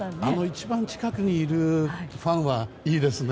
一番近くにいるファンはいいですよね。